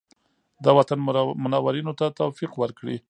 د وطن منورینو ته توفیق ورکړي.